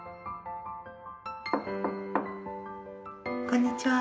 こんにちは。